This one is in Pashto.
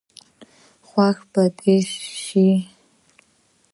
خوښ به دي شي.